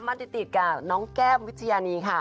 มาติดกับน้องแก้มวิทยานีค่ะ